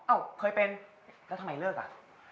เคยเป็นแล้วทำไมเลิกอ่ะ